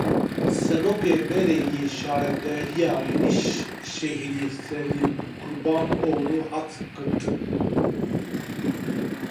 Serokê berê yê Şaredariya Yenîşehîrê Selim Kurbanoglu hat girtin.